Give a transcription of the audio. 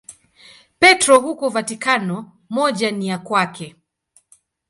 Petro huko Vatikano, moja ni ya kwake.